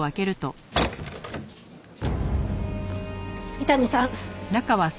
伊丹さん。